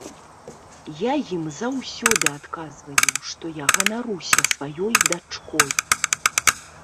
Я ім заўсёды адказваю, што я ганаруся сваёй дачкой.